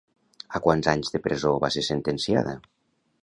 A quants anys de presó va ser sentenciada?